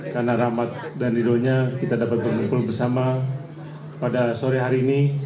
karena rahmat dan hidupnya kita dapat berkumpul bersama pada sore hari ini